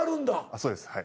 そうですはい。